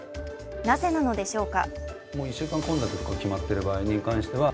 なぜなのでしょうか？